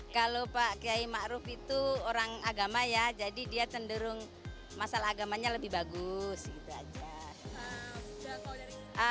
kalau pak kiai ⁇ maruf ⁇ itu orang agama ya jadi dia cenderung masalah agamanya lebih bagus gitu aja